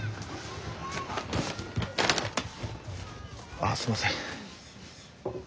ああすいません。